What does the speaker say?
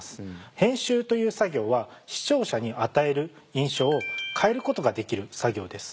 編集という作業は視聴者に与える印象を変えることができる作業です。